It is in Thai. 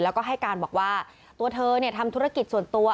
แล้วก็ให้การบอกว่าตัวเธอทำธุรกิจส่วนตัว